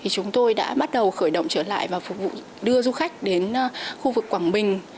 chúng tôi đã bắt đầu khởi động trở lại và phục vụ đưa du khách đến khu vực quảng bình